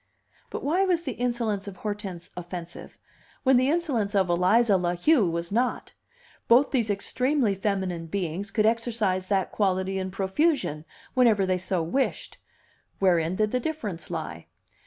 But why was the insolence of Hortense offensive, when the insolence of Eliza La Heu was not? Both these extremely feminine beings could exercise that quality in profusion, whenever they so wished; wherein did the difference lie?